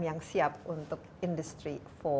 yang siap untuk industri empat